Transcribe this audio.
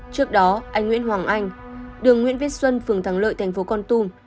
trước đó anh nguyễn hoàng anh đường nguyễn vết xuân phường thắng lợi tp con tum